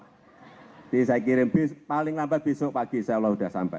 jadi saya kirim paling lambat besok pagi saya udah sampai